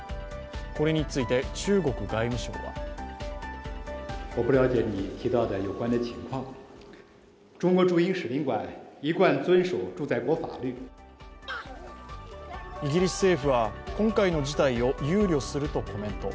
これについて中国外務省はイギリス政府は今回の事態を憂慮するとコメント。